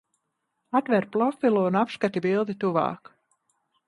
Atver profilu un apskati bildi tuvāk!